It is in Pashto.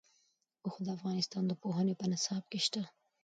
اوښ د افغانستان د پوهنې په نصاب کې شته.